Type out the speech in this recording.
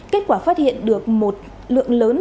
kết quả phát hiện được một lượng lớn